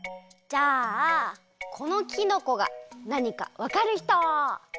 じゃあこのきのこがなにかわかるひと？